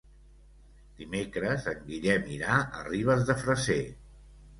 Dimecres en Guillem irà a Ribes de Freser.